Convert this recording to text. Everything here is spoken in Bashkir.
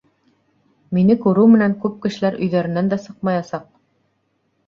Мине күреү менән күп кешеләр өйҙәренән дә сыҡмаясаҡ.